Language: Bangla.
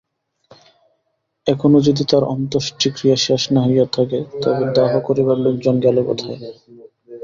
এখনো যদি তার অন্ত্যেষ্টিক্রিয়া শেষ না হইয়া থাকে তবে দাহ করিবার লোকজন গেল কেথায়?